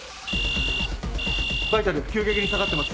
バイタル急激に下がってます。